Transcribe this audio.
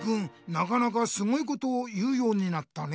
なかなかすごいことを言うようになったね。